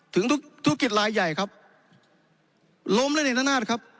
ถึงธุรกิจรายใหญ่ครับล้มเล่นอินทนาธิครับ